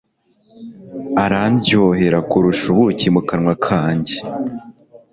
arandyohera kurusha ubuki mu kanwa kanjye